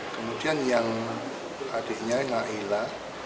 kemudian yang adiknya naila